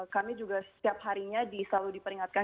kami juga setiap harinya selalu diperingatkan